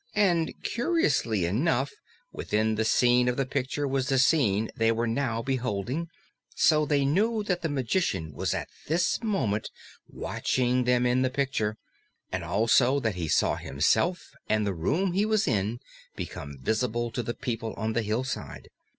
And curiously enough, within the scene of the Picture was the scene they were now beholding, so they knew that the Magician was at this moment watching them in the Picture, and also that he saw himself and the room he was in become visible to the people on the hillside.